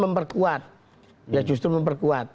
memperkuat ya justru memperkuat